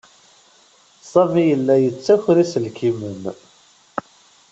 Sami yella yettaker iselkimen.